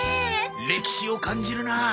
歴史を感じるな。